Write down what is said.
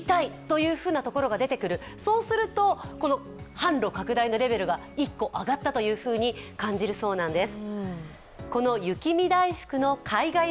販路拡大のレベルが１個上がったと感じるそうなんです。